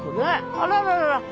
あらららら。